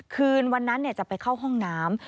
คืนวันนั้นจะไปเข้าห้องน้ำ